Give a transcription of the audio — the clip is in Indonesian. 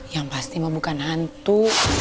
yang pasti mah bukan hantu